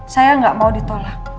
saya gak mau ditolak